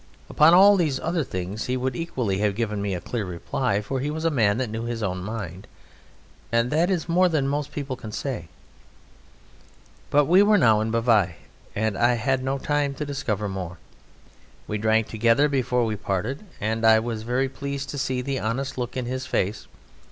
Upon all those other things he would equally have given me a clear reply, for he was a man that knew his own mind, and that is more than most people can say. But we were now in Bavai, and I had no time to discover more. We drank together before we parted, and I was very pleased to see the honest look in his face.